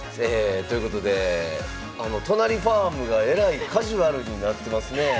ということで都成ファームがえらいカジュアルになってますねえ。